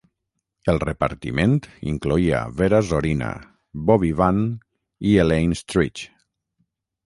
El repartiment incloïa Vera Zorina, Bobby Van i Elaine Stritch.